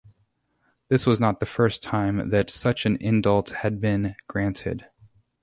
This was not the first time that such an indult had been granted.